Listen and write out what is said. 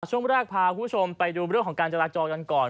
ช่วงแรกพาคุณผู้ชมไปดูเรื่องของการจราจรกันก่อน